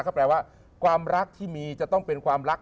ก็แปลว่าความรักที่มีจะต้องเป็นความรัก